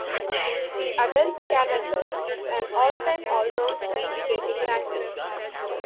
The Adelskalender is an all-time allround speed skating ranking.